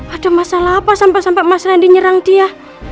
ada masalah apa sampai sampai mas randy nyerang dia